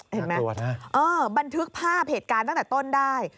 เห็นไหมบันทึกภาพเหตุการณ์ตั้งแต่ต้นได้